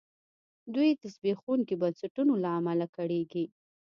دوی د زبېښونکو بنسټونو له امله کړېږي.